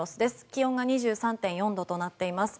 気温が２３．４度となっています。